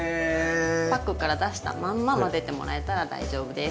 パックから出したまんま混ぜてもらえたら大丈夫です。